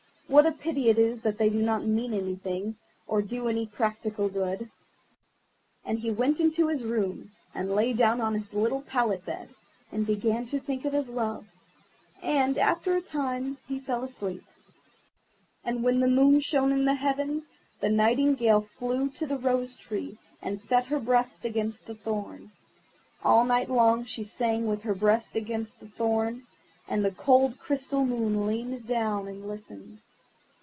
What a pity it is that they do not mean anything, or do any practical good." And he went into his room, and lay down on his little pallet bed, and began to think of his love; and, after a time, he fell asleep. And when the Moon shone in the heavens the Nightingale flew to the Rose tree, and set her breast against the thorn. All night long she sang with her breast against the thorn, and the cold crystal Moon leaned down and listened.